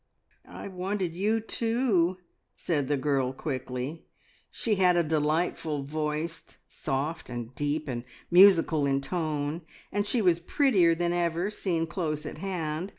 "I wanted you too!" said the girl quickly. She had a delightful voice; soft, and deep, and musical in tone, and she was prettier than ever, seen close at hand.